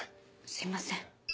すみません。